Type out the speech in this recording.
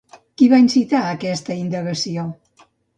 Qui va incitar aquesta indagació?